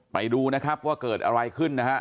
ไปดูนะครับว่าเกิดอะไรขึ้นนะฮะ